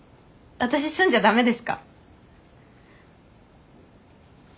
私住んじゃ駄目ですか？